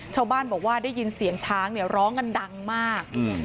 ชาวบ้านบอกว่าได้ยินเสียงช้างเนี่ยร้องกันดังมาก